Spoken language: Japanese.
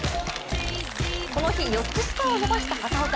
この日、４つスコアを伸ばした畑岡。